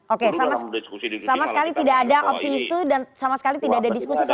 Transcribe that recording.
oke sama sekali tidak ada opsi itu dan sama sekali tidak ada diskusi sama sama